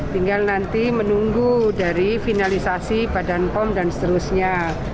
tinggal nanti menunggu dari finalisasi badan pom dan seterusnya